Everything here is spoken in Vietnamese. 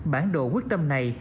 bản đồ quyết tâm này